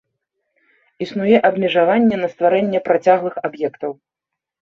Існуе абмежаванне на стварэнне працяглых аб'ектаў.